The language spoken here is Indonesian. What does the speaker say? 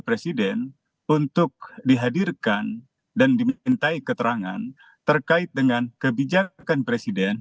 presiden untuk dihadirkan dan dimintai keterangan terkait dengan kebijakan presiden